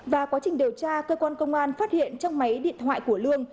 và quá trình điều tra cơ quan công an phát hiện trong máy điện thoại của lương